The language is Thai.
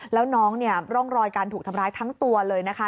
แล้วน้องเนี่ยร่องรอยการถูกทำร้ายทั้งตัวเลยนะคะ